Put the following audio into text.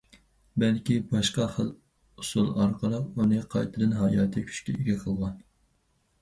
بەلكى باشقا خىل ئۇسۇل ئارقىلىق ئۇنى قايتىدىن ھاياتىي كۈچكە ئىگە قىلغان.